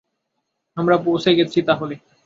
আমরা পৌছে গেছি তাহলে।